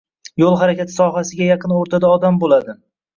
Yoʻl harakati sohasiga yaqin oʻrtada odam boʻladi